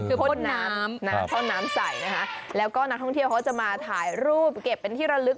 คือพ่นน้ำนะท่อน้ำใสนะคะแล้วก็นักท่องเที่ยวเขาจะมาถ่ายรูปเก็บเป็นที่ระลึก